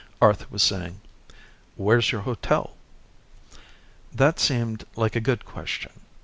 Arth was saying, "Where's your hotel?" That seemed like a good question.